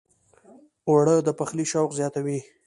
اوړه د پخلي شوق زیاتوي